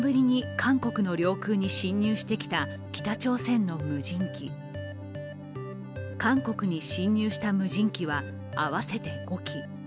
韓国に侵入した無人機は合わせて５機。